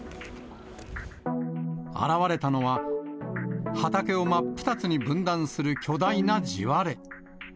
現れたのは、畑を真っ二つに分断する巨大な地割れ。